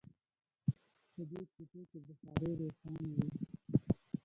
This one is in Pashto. په دې کوټو کې بخارۍ روښانه وي